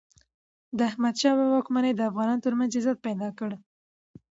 د احمد شاه بابا واکمني د افغانانو ترمنځ عزت پیدا کړ.